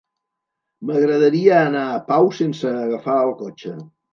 M'agradaria anar a Pau sense agafar el cotxe.